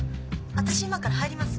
私今から入ります。